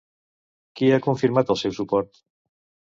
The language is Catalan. Qui ha confirmat el seu suport?